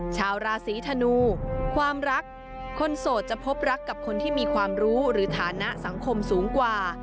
ชาวราศีธนูความรักคนโสดจะพบรักกับคนที่มีความรู้หรือฐานะสังคมสูงกว่า